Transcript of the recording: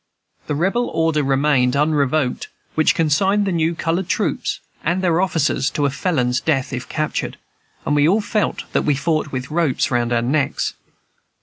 The Rebel order remained unrevoked which consigned the new colored troops and their officers to a felon's death, if captured; and we all felt that we fought with ropes round our necks.